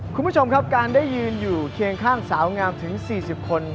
คุณผู้ชมครับการได้ยืนอยู่เคียงข้างสาวงามถึง๔๐คน